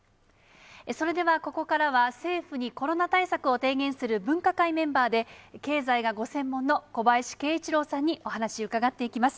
それではここからは、政府にコロナ対策を提言する分科会メンバーで、経済がご専門の小林慶一郎さんにお話を伺っていきます。